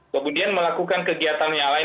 kemudian melakukan kegiatan yang lain